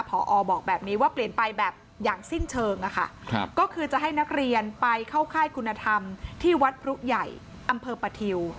พอบอกแบบนี้ว่าเปลี่ยนไปแบบอย่างสิ้นเชิงอะค่ะก็คือจะให้นักเรียนไปเข้าค่ายคุณธรรมที่วัดพรุใหญ่อำเภอปะทิว